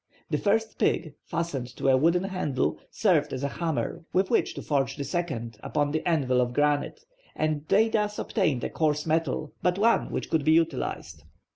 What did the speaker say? The first pig, fastened to a wooden handle, served as a hammer with which to forge the second upon an anvil of granite, and they thus obtained a coarse metal, but one which could be utilized.